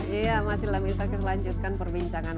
iya masih lah bisa kita lanjutkan perbincangan